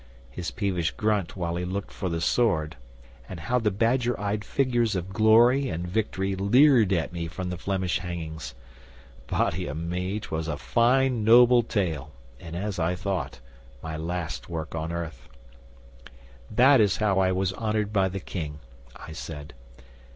his peevish grunt while he looked for the sword; and how the badger eyed figures of Glory and Victory leered at me from the Flemish hangings. Body o' me, 'twas a fine, noble tale, and, as I thought, my last work on earth. '"That is how I was honoured by the King," I said.